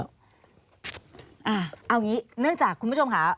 เอาอย่างนี้เนื่องจากคุณผู้ชมค่ะ